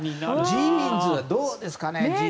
ジーンズはどうですかね。